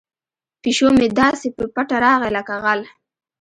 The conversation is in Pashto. پیشو مې داسې په پټه راځي لکه غل.